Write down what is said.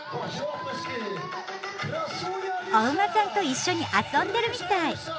お馬さんと一緒に遊んでるみたい！